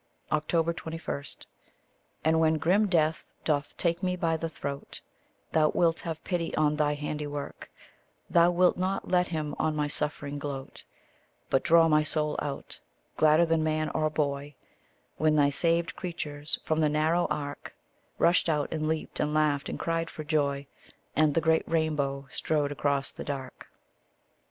21. And when grim Death doth take me by the throat, Thou wilt have pity on thy handiwork; Thou wilt not let him on my suffering gloat, But draw my soul out gladder than man or boy, When thy saved creatures from the narrow ark Rushed out, and leaped and laughed and cried for joy, And the great rainbow strode across the dark.